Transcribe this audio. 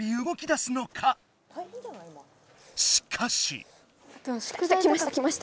しかし。